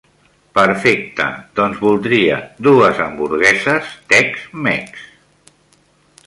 Perfecte, doncs voldria dues hamburgueses Tex Mex.